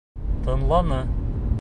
Тыңланы.